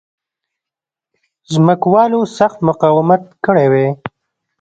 ځمکوالو سخت مقاومت کړی وای.